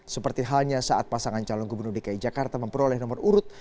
seperti halnya saat pasangan calon gubernur dki jakarta memperoleh nomor urut